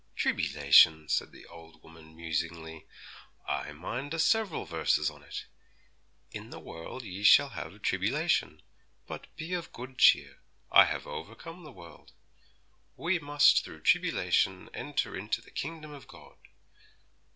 'Tribbylation!' said the old woman musingly; 'I mind o' several verses on it: "In the world ye shall have tribbylation; but be of good cheer: I have overcome the world." "We must through much tribbylation enter into the Kingdom of God."